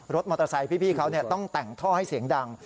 รถมอเตอร์ไซค์พี่เขาต้องแต่งท่อให้เสียงดัง